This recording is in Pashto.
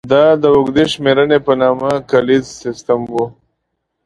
دا د اوږدې شمېرنې په نامه کالیز سیستم و.